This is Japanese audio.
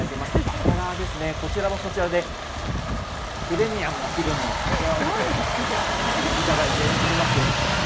朝ラーですね、こちらもこちらでプレミアムな気分を味わわせていただいております。